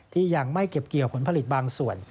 ที่ยังไม่เก็บเกี่ยวผลผลิตบางส่วน